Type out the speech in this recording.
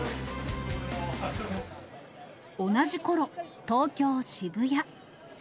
同じころ、東京・渋谷。